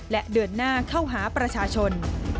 และเดินหน้าเข้าหาประชาชน